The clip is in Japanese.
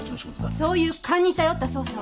そういう勘に頼った捜査は。